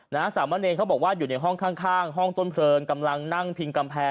สามะเนรเขาบอกว่าอยู่ในห้องข้างข้างห้องต้นเพลิงกำลังนั่งพิงกำแพง